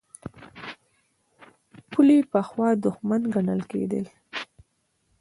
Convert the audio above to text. پولې پخوا دښمن ګڼل کېدې.